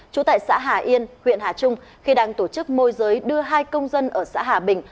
trú tại xã hà yên huyện hà trung khi đang tổ chức môi giới đưa hai công dân ở xã hà bình